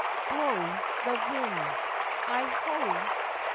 BLOW THE WINDS, I HO!